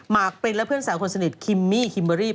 มากเบลี่บเป็นเพื่อนสาวสนิทคิมมี่คิมเบอร์รี่